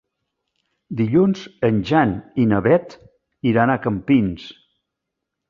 Dilluns en Jan i na Beth iran a Campins.